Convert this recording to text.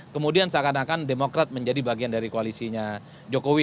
kemudian seakan akan demokrat menjadi bagian dari koalisinya jokowi